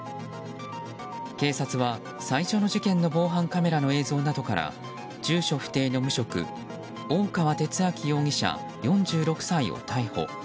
警察は、最初の事件の防犯カメラの映像などから住所不定の無職、大川哲明容疑者４６歳を逮捕。